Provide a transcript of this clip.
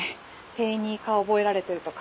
店員に顔覚えられてるとか。